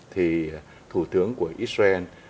thì thủ tướng của israel